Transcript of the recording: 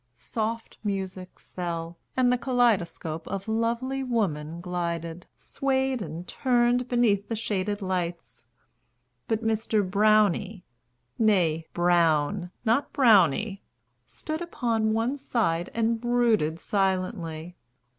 Soft music fell, and the kaleidoscope Of lovely woman glided, swayed and turned Beneath the shaded lights; but Mr. Brownie (Né Brown, not Brownie) stood upon one side And brooded silently.